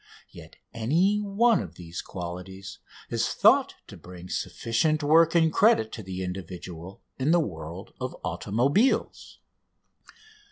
Yet any one of these qualities is thought to bring sufficient work and credit to the individual in the world of automobiles.